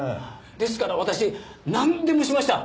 ですから私なんでもしました。